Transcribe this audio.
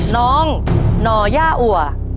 น้องหน่อย่าอัว